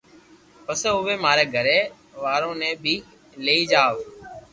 پسي اووي ماري گھر وارو ني بي لئي جاو